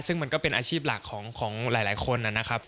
ซึ่งมันก็เป็นอาชีพหลักของหลายคนนะครับ